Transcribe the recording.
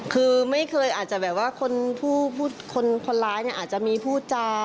คือไม่เคยอาจจะแบบว่าคนคนร้ายเนี่ยอาจจะมีพูดจา